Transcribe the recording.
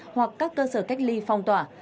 hoặc các cơ sở cách ly phong tỏa